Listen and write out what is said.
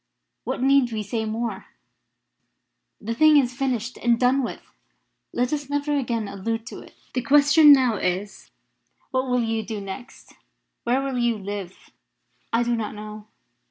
What need we say more? The thing is finished and done with. Let us never again allude to it. The question now is what will you do next? Where will you live?" "I do not know.